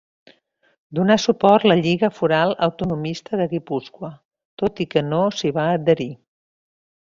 Donà suport la Lliga Foral Autonomista de Guipúscoa, tot i que no s'hi va adherir.